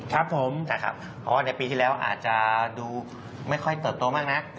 ครับผมนะครับเพราะว่าในปีที่แล้วอาจจะดูไม่ค่อยเติบโตมากนัก